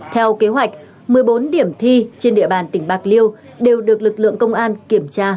theo kế hoạch một mươi bốn điểm thi trên địa bàn tỉnh bạc liêu đều được lực lượng công an kiểm tra